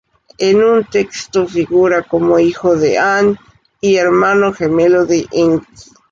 En un texto figura como hijo de An y hermano gemelo de Enki.